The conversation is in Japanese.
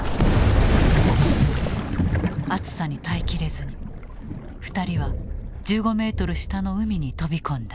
熱さに耐え切れずに２人は１５メートル下の海に飛び込んだ。